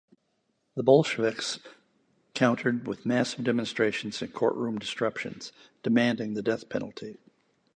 The Bolsheviks countered with massive demonstrations and courtroom disruptions demanding the death penalty.